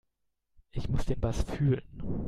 Ich muss den Bass fühlen.